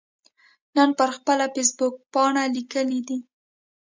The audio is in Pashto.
نن پر خپله فیسبوکپاڼه لیکلي دي